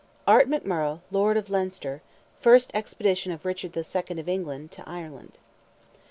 ART McMURROGH, LORD OF LEINSTER—FIRST EXPEDITION OF RICHARD II., OF ENGLAND, TO IRELAND.